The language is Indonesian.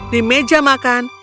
di meja makan